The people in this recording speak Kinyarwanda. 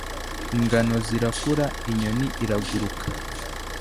ingano zirakura, inyoni iraguruka